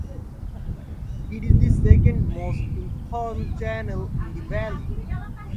It is the second most important channel in the valley.